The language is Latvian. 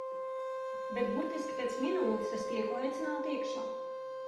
Bet burtiski pēc minūtes es tieku aicināta iekšā.